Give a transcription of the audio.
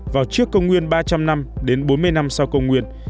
vào trước công nguyên ba trăm linh năm đến bốn mươi năm sau công nguyên